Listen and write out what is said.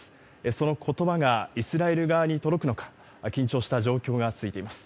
そのことばがイスラエル側に届くのか、緊張した状況が続いています。